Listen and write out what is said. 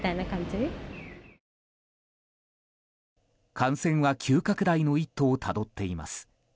感染は急拡大の一途をたどっています。